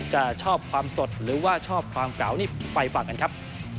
จะชอบความสดหรือว่าชอบความเก่านี่ไปฟังกันครับ